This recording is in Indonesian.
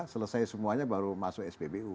selesai semuanya baru masuk spbu